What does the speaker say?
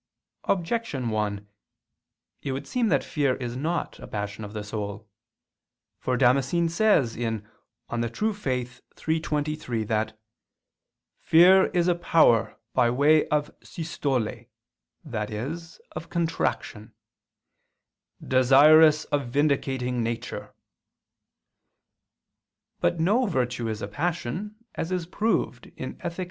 Objection 1: It would seem that fear is not a passion of the soul. For Damascene says (De Fide Orth. iii, 23) that "fear is a power, by way of systole" i.e. of contraction "desirous of vindicating nature." But no virtue is a passion, as is proved in _Ethic.